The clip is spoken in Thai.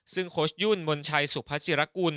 ซึ่งโคชยุนมนชัยสุภาษีรกุล